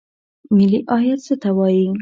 ملي عاید څه ته وایي؟